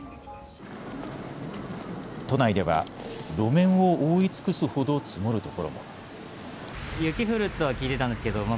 都内では、路面を覆い尽くすほど積もる所も。